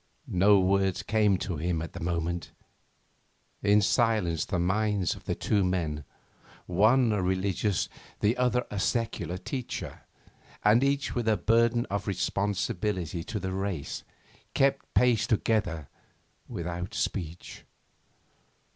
No words came to him at the moment. In silence the minds of the two men, one a religious, the other a secular teacher, and each with a burden of responsibility to the race, kept pace together without speech.